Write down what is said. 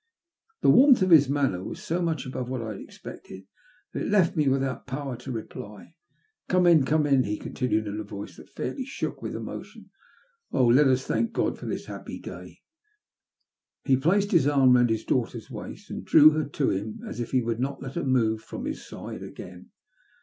The warmth of his manner was so much above what I had expected that it left me without power to reply. *' Gome in, come in," he continued in a voice that fairly shook with emotion. ''Oh, let us thank God for this happy day I " He placed his arm round his daughter's waist, and drew her to him as if he would not let her move from his side again.